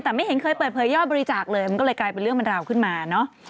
แต่ไม่เห็นเคยเปิดเผยยอดบริจาคเลยมันก็เลยกลายเป็นเรื่องเป็นราวขึ้นมาเนอะ